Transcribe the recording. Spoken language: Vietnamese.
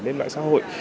lên mạng xã hội